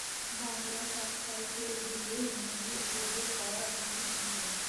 Bangla subtitle দিয়ে মুভিটি উপভোগ করার জন্য ধন্যবাদ।